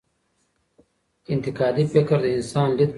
انتقادي فکر د انسان لید بدلوي.